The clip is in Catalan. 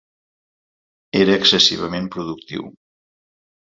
Era excessivament productiu.